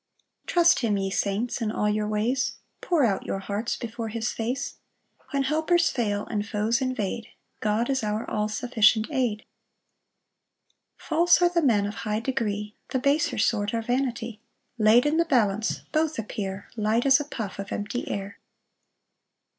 2 Trust him, ye saints, in all your ways, Pour out your hearts before his face: When helpers fail, and foes invade, God is our all sufficient aid. 3 False are the men of high degree, The baser sort are vanity; Laid in the balance both appear Light as a puff of empty air.